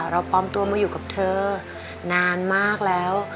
เราพร้อมตัวมาอยู่กับเธอนานมากแล้ว